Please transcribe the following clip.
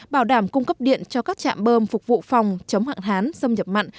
bảo đảm cung cấp điện cho các trạm bơm phục vụ phòng chống hạn hán xâm nhập mặn